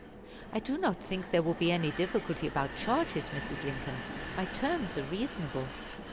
"I do not think there will be any difficulty about charges, Mrs. Lincoln; my terms are reasonable."